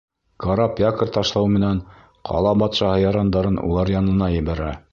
Карап якорь ташлау менән, ҡала батшаһы ярандарын улар янына ебәрә.